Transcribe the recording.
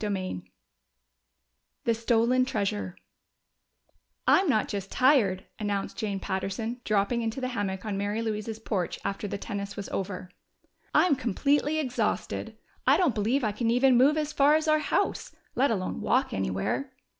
CHAPTER V The Stolen Treasure "I'm not just tired," announced Jane Patterson, dropping into the hammock on Mary Louise's porch after the tennis was over. "I'm completely exhausted! I don't believe I can even move as far as our house let alone walk anywhere."